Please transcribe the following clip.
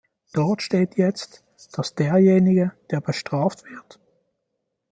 Dort steht jetzt, dass derjenige, der bestraft wird.